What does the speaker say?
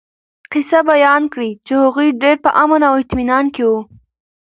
قصّه بيان کړي چې هغوي ډير په امن او اطمنان کي وو